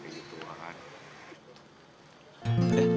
mereka juga gak tau masalah kayak gitu kan